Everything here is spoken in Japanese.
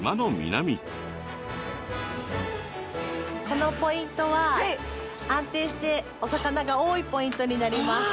このポイントは安定してお魚が多いポイントになります。